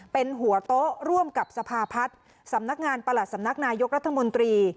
เป็นหัวโต๊ะร่วมกับสภาพัฒน์สำนักงานประหลัดสำนักนายกรัฐมนตรี